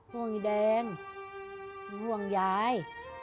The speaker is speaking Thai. ห่วงดินแดนห่วงย้าย